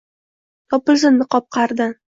topilsin niqob qa’ridan